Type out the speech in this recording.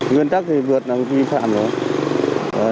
nguyên tắc thì vượt là vi phạm rồi đó